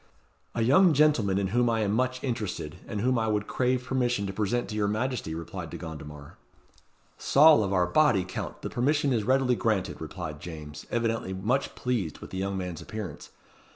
"A young gentleman in whom I am much interested, and whom I would crave permission to present to your Majesty," replied De Gondomar. "Saul of our body, Count, the permission is readily granted," replied James, evidently much pleased with the young man's appearance.